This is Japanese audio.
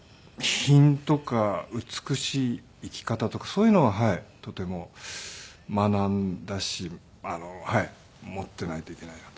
品とか美しい生き方とかそういうのはとても学んだし持っていないといけないなと。